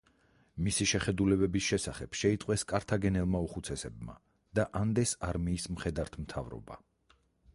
მისი შეხედულებების შესახებ შეიტყვეს კართაგენელმა უხუცესებმა და ანდეს არმიის მხედართმთავრობა.